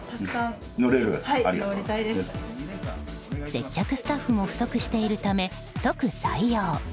接客スタッフも不足しているため、即採用。